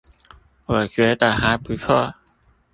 我覺得還不錯